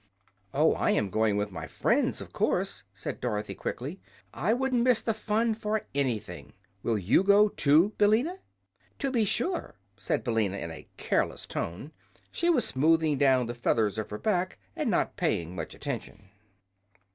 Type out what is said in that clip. "Oh, I am going with my friends, of course," said Dorothy, quickly. "I wouldn't miss the fun for anything. Will you go, too, Billina?" "To be sure," said Billina in a careless tone. She was smoothing down the feathers of her back and not paying much attention.